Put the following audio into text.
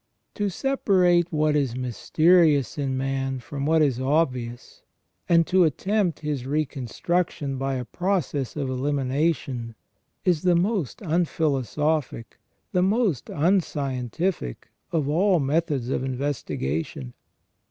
To separate what is mysterious in man from what is obvious, and to attempt his reconstruction by a process of elimination, is the most unphilosophic, the most unscientific, of all methods of investigation.